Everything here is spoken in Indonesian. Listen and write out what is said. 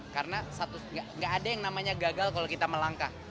karena nggak ada yang namanya gagal kalau kita melangkah